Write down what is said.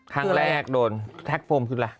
ครั้งแรกโดนแท็กโฟมคืออะไร